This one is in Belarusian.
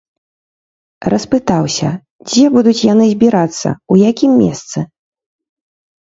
Распытаўся, дзе будуць яны збірацца, у якім месцы.